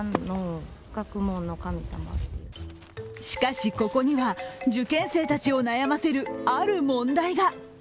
しかし、ここには受験生たちを悩ませるある問題が。